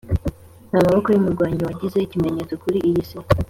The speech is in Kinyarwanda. namaboko yumurwanyi wagize ikimenyetso kuri iyi si.